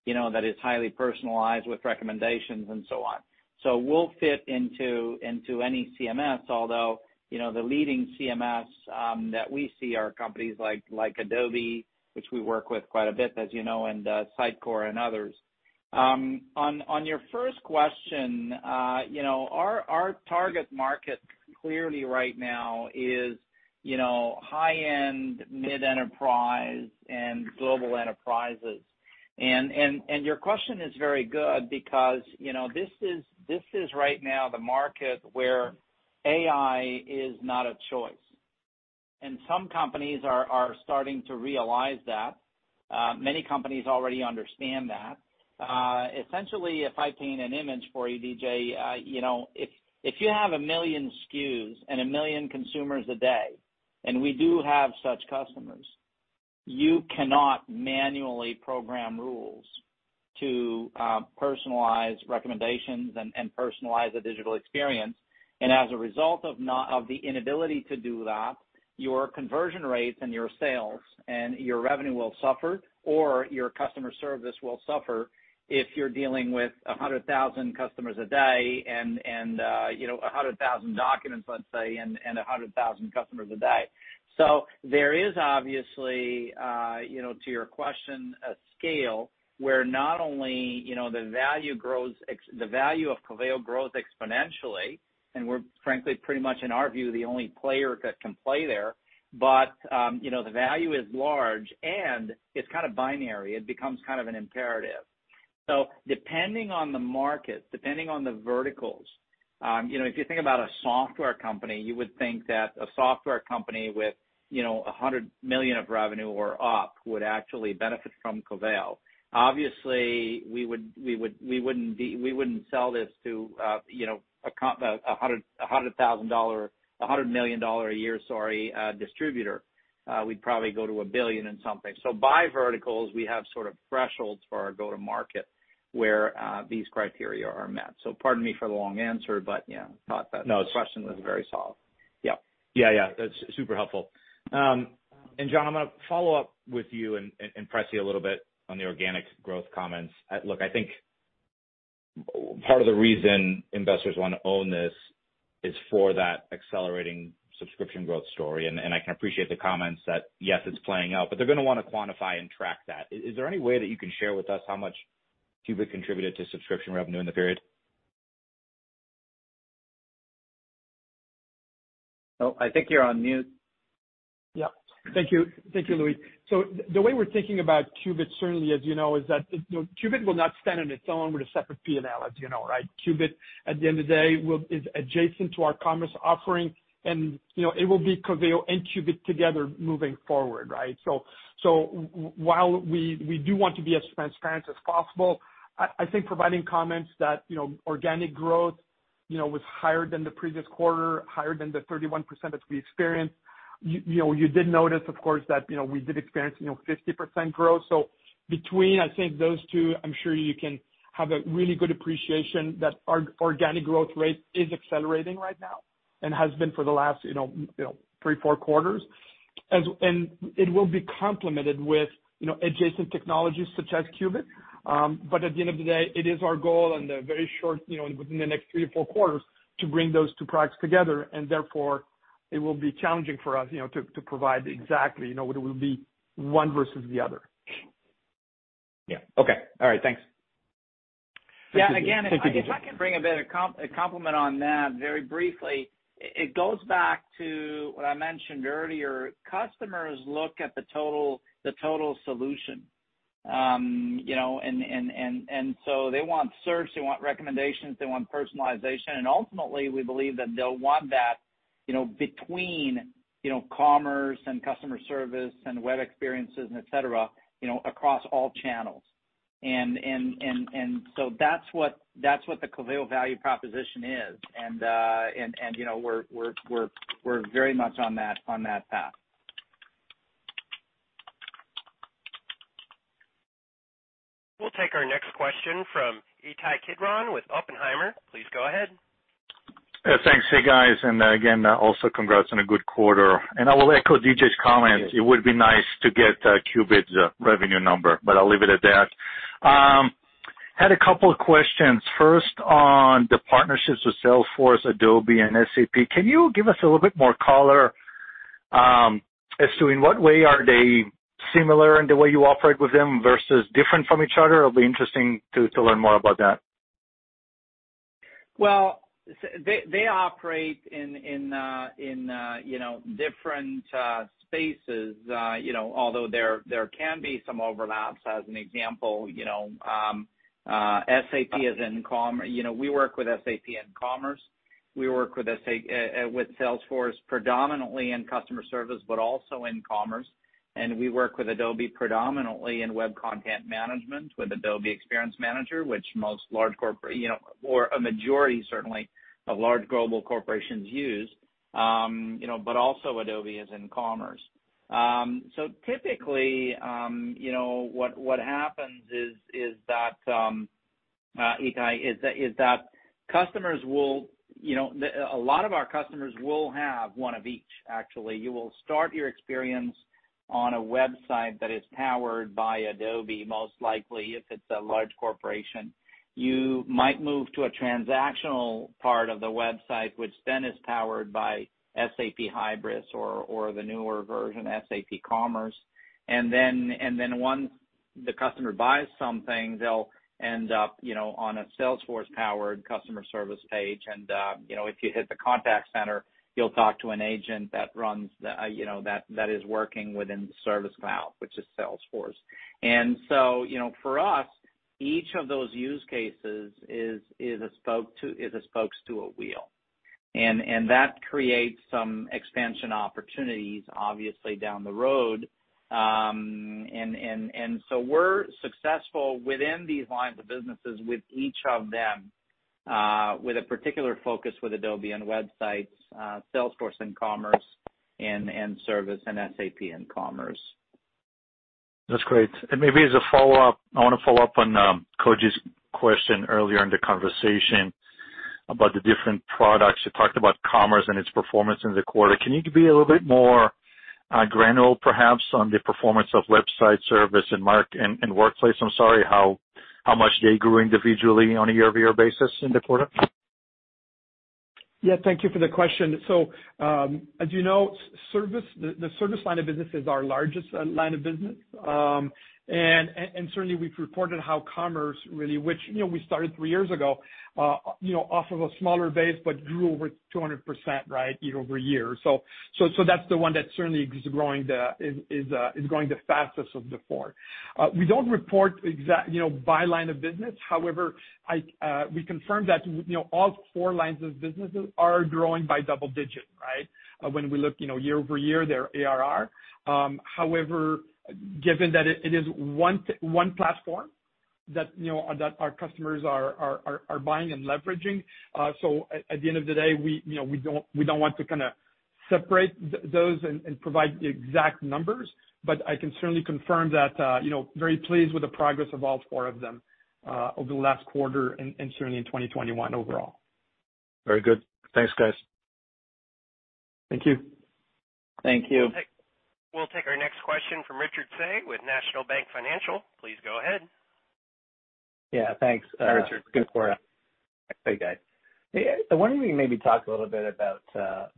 you know, that is highly personalized with recommendations and so on. We'll fit into any CMS, although, you know, the leading CMS that we see are companies like Adobe, which we work with quite a bit, as you know, and Sitecore and others. On your first question, you know, our target market clearly right now is, you know, high-end mid-enterprise and global enterprises. Your question is very good because, you know, this is right now the market where AI is not a choice. Some companies are starting to realize that. Many companies already understand that. Essentially, if I paint an image for you, DJ, you know, if you have 1 million SKUs and 1 million consumers a day, and we do have such customers, you cannot manually program rules to personalize recommendations and personalize a digital experience. As a result of the inability to do that, your conversion rates and your sales and your revenue will suffer or your customer service will suffer if you're dealing with 100,000 customers a day and, you know, 100,000 documents, let's say, and 100,000 customers a day. There is obviously, you know, to your question, a scale where not only, you know, the value of Coveo grows exponentially, and we're frankly pretty much, in our view, the only player that can play there, but, you know, the value is large and it's kind of binary. It becomes kind of an imperative. Depending on the market, depending on the verticals, you know, if you think about a software company, you would think that a software company with, you know, $100 million of revenue or up would actually benefit from Coveo. Obviously, we would not sell this to, you know, a $100 million a year distributor. We'd probably go to $1 billion and something. By verticals, we have sort of thresholds for our go-to-market where these criteria are met. Pardon me for the long answer, but yeah, thought that. No, it's- The question was very solid. Yep. Yeah. That's super helpful. John, I'm gonna follow up with you and press you a little bit on the organic growth comments. Look, I think part of the reason investors wanna own this is for that accelerating subscription growth story. I can appreciate the comments that, yes, it's playing out, but they're gonna wanna quantify and track that. Is there any way that you can share with us how much Qubit contributed to subscription revenue in the period? Oh, I think you're on mute. Yeah. Thank you, Louis. The way we're thinking about Qubit certainly, as you know, is that, you know, Qubit will not stand on its own with a separate P&L, as you know, right? Qubit, at the end of the day, is adjacent to our commerce offering, and, you know, it will be Coveo and Qubit together moving forward, right? While we do want to be as transparent as possible, I think providing comments that, you know, organic growth, you know, was higher than the previous quarter, higher than the 31% that we experienced, you know, you did notice of course that, you know, we did experience, you know, 50% growth. Between, I think, those two, I'm sure you can have a really good appreciation that our organic growth rate is accelerating right now and has been for the last you know three, four quarters. It will be complemented with you know adjacent technologies such as Qubit. But at the end of the day, it is our goal in the very short you know within the next quarters, to bring those two products together, and therefore it will be challenging for us you know to provide exactly you know what it will be one versus the other. Yeah. Okay. All right. Thanks. Yeah. Thank you, DJ. Yeah. Again, if I can bring a bit of a complement on that very briefly. It goes back to what I mentioned earlier. Customers look at the total solution. You know, so they want search, they want recommendations, they want personalization, and ultimately we believe that they'll want that, you know, between, you know, commerce and customer service and web experiences and etc, you know, across all channels. That's what the Coveo value proposition is. You know, we're very much on that path. We'll take our next question from Ittai Kidron with Oppenheimer. Please go ahead. Thanks. Hey, guys, and again, also congrats on a good quarter. I will echo DJ's comments. It would be nice to get Qubit's revenue number, but I'll leave it at that. Had a couple of questions, first on the partnerships with Salesforce, Adobe and SAP. Can you give us a little bit more color as to in what way are they similar in the way you operate with them versus different from each other? It'll be interesting to learn more about that. Well, they operate in you know, different spaces, you know, although there can be some overlaps. As an example, you know, SAP is in commerce. You know, we work with SAP in commerce. We work with Salesforce predominantly in customer service, but also in commerce. We work with Adobe predominantly in web content management with Adobe Experience Manager, which most large corporations you know, or a majority certainly of large global corporations use. You know, but also Adobe is in commerce. Typically, you know, what happens is that Ittai, customers will you know, a lot of our customers will have one of each actually. You will start your experience on a website that is powered by Adobe, most likely if it's a large corporation. You might move to a transactional part of the website, which then is powered by SAP Hybris or the newer version, SAP Commerce. Once the customer buys something, they'll end up, you know, on a Salesforce-powered customer service page. You know, if you hit the contact center, you'll talk to an agent that runs the, you know, that is working within the Service Cloud, which is Salesforce. You know, for us, each of those use cases is a spokes to a wheel. That creates some expansion opportunities obviously down the road. We're successful within these lines of businesses with each of them, with a particular focus with Adobe on websites, Salesforce in commerce and service, and SAP in commerce. That's great. Maybe as a follow-up, I wanna follow up on Koji's question earlier in the conversation about the different products. You talked about commerce and its performance in the quarter. Can you be a little bit more granular perhaps on the performance of website service and workplace, I'm sorry, how much they grew individually on a year-over-year basis in the quarter? Yeah, thank you for the question. As you know, service, the service line of business is our largest line of business. And certainly we've reported how commerce really, which, you know, we started three years ago, you know, off of a smaller base, but grew over 200%, right, year-over-year. That's the one that certainly is growing the fastest of the four. We don't report exact, you know, by line of business. However, we confirm that you know, all four lines of business are growing by double digit, right? When we look, you know, year-over-year, their ARR. However, given that it is one platform that, you know, that our customers are buying and leveraging, so at the end of the day, we, you know, we don't want to kinda separate those and provide the exact numbers, but I can certainly confirm that, you know, very pleased with the progress of all four of them over the last quarter and certainly in 2021 overall. Very good. Thanks, guys. Thank you. Thank you. We'll take our next question from Richard Tse with National Bank Financial. Please go ahead. Yeah, thanks. Hi, Richard. Good quarter. Hey, guys. I was wondering if you could maybe talk a little bit about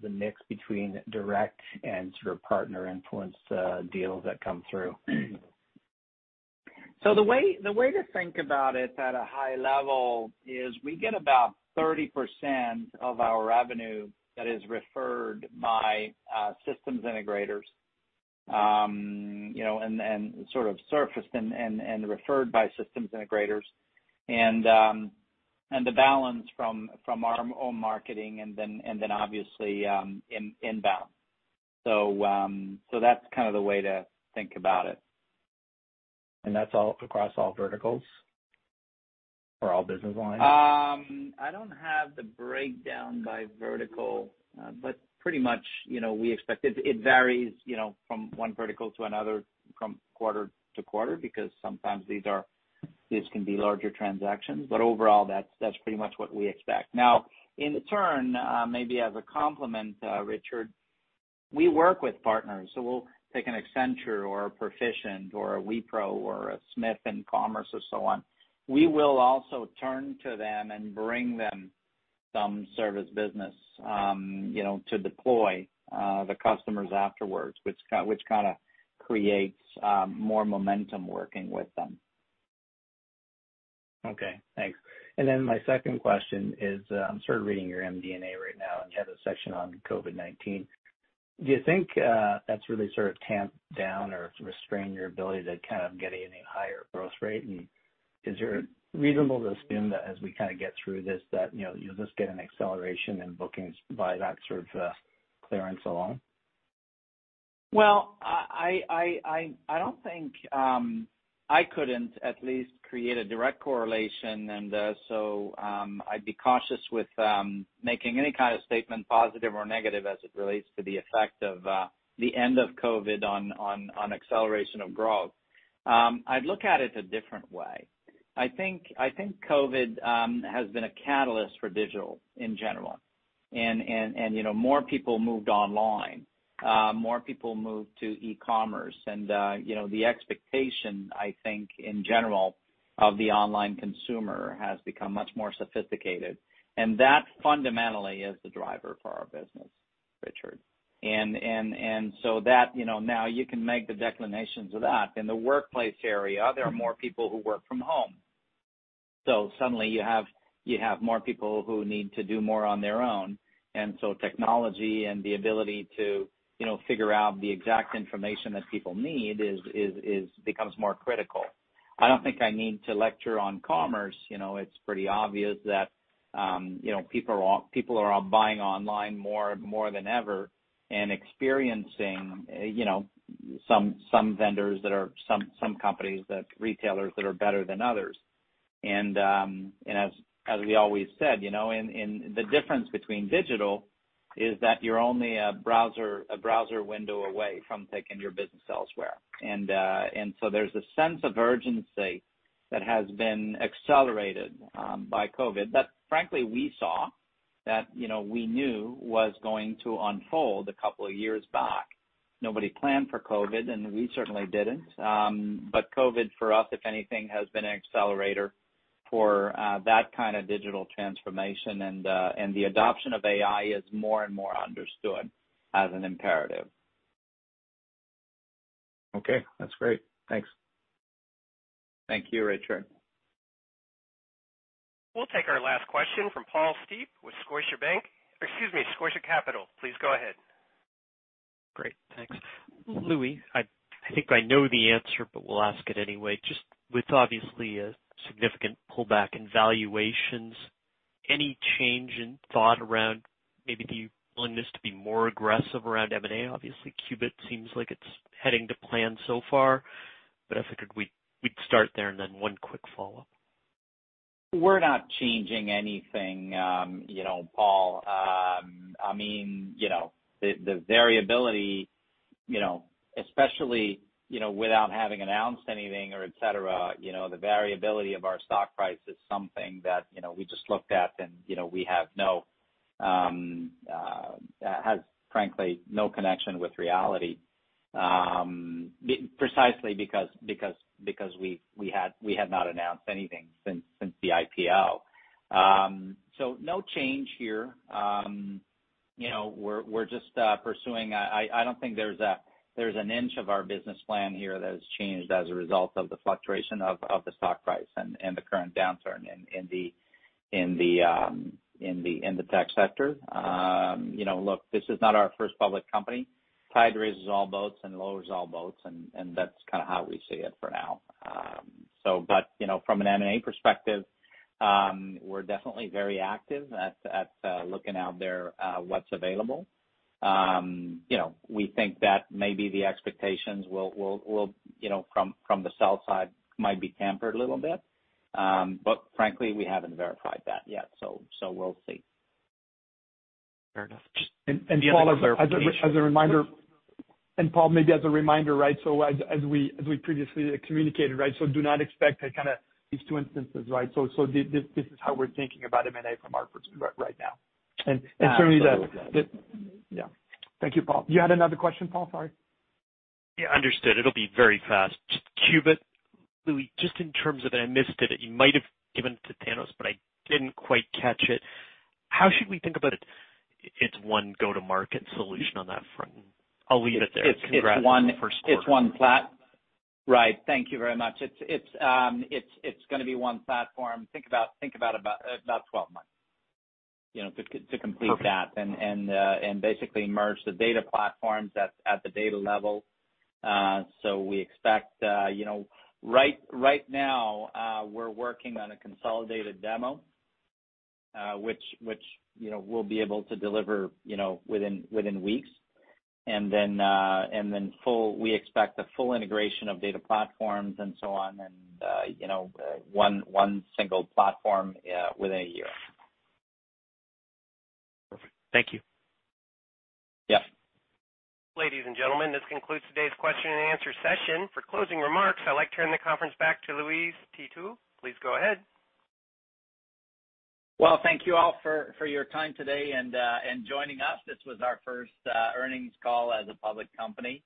the mix between direct and sort of partner influence deals that come through. The way to think about it at a high level is we get about 30% of our revenue that is referred by systems integrators. You know, and sort of surfaced and referred by systems integrators. And the balance from our own marketing and then obviously inbound. That's kind of the way to think about it. That's all across all verticals or all business lines? I don't have the breakdown by vertical, but pretty much, you know, we expect it. It varies, you know, from one vertical to another from quarter to quarter because sometimes these can be larger transactions. Overall that's pretty much what we expect. Now in turn, maybe as a complement, Richard, we work with partners. We'll take an Accenture or a Perficient or a Wipro or a Smith Commerce or so on. We will also turn to them and bring them some service business, you know, to deploy the customers afterwards, which kinda creates more momentum working with them. Okay, thanks. Then my second question is, sort of reading your MD&A right now, and you have a section on COVID-19. Do you think that's really sort of tamped down or restrained your ability to kind of get any higher growth rate? Is it reasonable to assume that as we kind of get through this, that, you know, you'll just get an acceleration in bookings by that sort of clearance alone? Well, I don't think I could at least create a direct correlation. I'd be cautious with making any kind of statement, positive or negative, as it relates to the effect of the end of COVID on acceleration of growth. I'd look at it a different way. I think COVID has been a catalyst for digital in general. You know, more people moved online. More people moved to e-commerce. You know, the expectation, I think, in general, of the online consumer has become much more sophisticated. That fundamentally is the driver for our business, Richard. You know, now you can make the delineations of that. In the workplace area, there are more people who work from home, so suddenly you have more people who need to do more on their own. Technology and the ability to figure out the exact information that people need becomes more critical. I don't think I need to lecture on commerce. You know, it's pretty obvious that people are all buying online more than ever and experiencing some vendors, some companies, retailers that are better than others. As we always said, you know, and the difference between digital is that you're only a browser window away from taking your business elsewhere. There's a sense of urgency that has been accelerated by COVID that frankly we saw that, you know, we knew was going to unfold a couple of years back. Nobody planned for COVID, and we certainly didn't. COVID for us, if anything, has been an accelerator for that kind of digital transformation. The adoption of AI is more and more understood as an imperative. Okay, that's great. Thanks. Thank you, Richard. We'll take our last question from Paul Steep with Scotiabank. Excuse me, Scotia Capital. Please go ahead. Great. Thanks. Louis, I think I know the answer, but will ask it anyway. Just with obviously a significant pullback in valuations, any change in thought around maybe the willingness to be more aggressive around M&A? Obviously, Qubit seems like it's heading to plan so far, but I figured we'd start there and then one quick follow-up. We're not changing anything, you know, Paul. I mean, you know, the variability, you know, especially, you know, without having announced anything or etc, you know, the variability of our stock price is something that we just looked at and has frankly no connection with reality, precisely because we had not announced anything since the IPO. No change here. You know, we're just pursuing. I don't think there's an inch of our business plan here that has changed as a result of the fluctuation of the stock price and the current downturn in the tech sector. You know, look, this is not our first public company. tide raises all boats and lowers all boats, and that's kinda how we see it for now. You know, from an M&A perspective, we're definitely very active at looking out there, what's available. You know, we think that maybe the expectations will you know, from the sell side might be tempered a little bit. Frankly, we haven't verified that yet, so we'll see. Fair enough. Paul, as a reminder. Paul, maybe as a reminder, right? As we previously communicated, right? Do not expect that kind of these two instances, right? This is how we're thinking about M&A from our perspective right now. Certainly the-- Absolutely. Yeah. Thank you, Paul. You had another question, Paul? Sorry. Yeah, understood. It'll be very fast. Just Qubit. Louis, just in terms of, and I missed it, you might have given it to Thanos, but I didn't quite catch it. How should we think about it's one go-to-market solution on that front? I'll leave it there. Congrats on the first quarter. Right. Thank you very much. It's gonna be one platform. Think about 12 months, you know, to complete that. Perfect. Basically merge the data platforms at the data level. We expect, you know, right now, we're working on a consolidated demo, which, you know, we'll be able to deliver, you know, within weeks. We expect the full integration of data platforms and so on, you know, one single platform within a year. Perfect. Thank you. Yeah. Ladies and gentlemen, this concludes today's question-and-answer session. For closing remarks, I'd like to turn the conference back to Louis Têtu. Please go ahead. Well, thank you all for your time today and joining us. This was our first earnings call as a public company.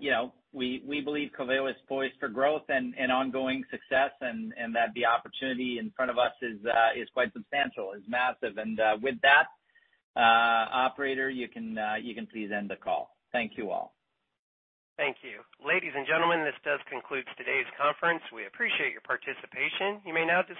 You know, we believe Coveo is poised for growth and ongoing success, and that the opportunity in front of us is quite substantial, is massive. With that, operator, you can please end the call. Thank you all. Thank you. Ladies and gentlemen, this does conclude today's conference. We appreciate your participation. You may now disconnect.